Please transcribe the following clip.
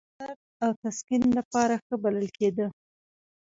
د درد او تسکین لپاره ښه بلل کېده.